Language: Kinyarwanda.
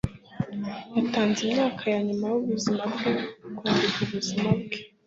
yatanze imyaka yanyuma yubuzima bwe kwandika ubuzima bwe